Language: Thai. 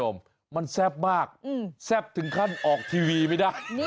คุณผู้ชมมันแซ่บมากแซ่บถึงขั้นออกทีวีไม่ได้